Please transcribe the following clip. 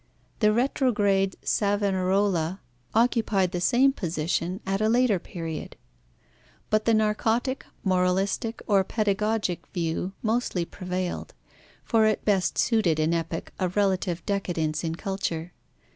The retrograde Savonarola occupied the same position at a later period. But the narcotic, moralistic, or pedagogic view mostly prevailed, for it best suited an epoch of relative decadence in culture.